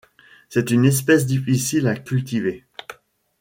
C'est une espèce difficile à cultiver.